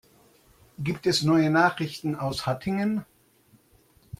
Gibt es neue Nachrichten aus Hattingen?